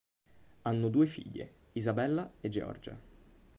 Hanno due figlie, Isabella e Georgia.